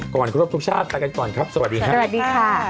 ก่อนครบทุกชาติตายกันก่อนครับสวัสดีค่ะ